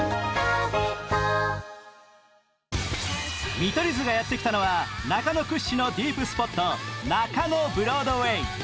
見取り図がやってきたのは中野屈指のディープスポット、中野ブロードウェイ。